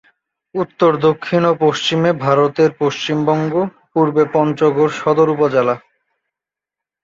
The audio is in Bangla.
উত্তর, দক্ষিণ ও পশ্চিমে ভারতের পশ্চিমবঙ্গ, পূর্বে পঞ্চগড় সদর উপজেলা।